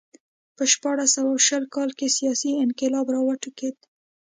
په شپاړس سوه شل کال کې سیاسي انقلاب راوټوکېد.